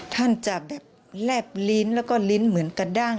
ท่านจะแบบแลบลิ้นแล้วก็ลิ้นเหมือนกระด้าง